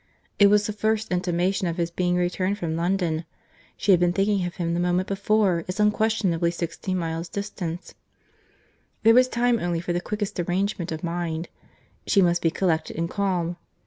—It was the first intimation of his being returned from London. She had been thinking of him the moment before, as unquestionably sixteen miles distant.—There was time only for the quickest arrangement of mind. She must be collected and calm.